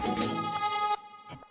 はい。